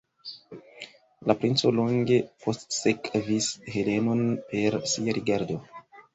La princo longe postsekvis Helenon per sia rigardo.